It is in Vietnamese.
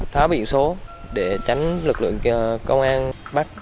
tháo biển số để tránh lực lượng công an bắt